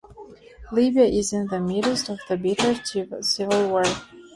Libya is in the midst of a bitter civil war.